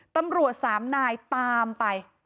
ตำรวจสามนายตามไป